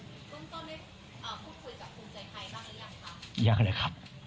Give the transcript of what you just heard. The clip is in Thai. ยังเลยครับยังเลยครับ